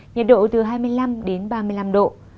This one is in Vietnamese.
nhiệt độ từ hai mươi năm đến ba mươi năm độ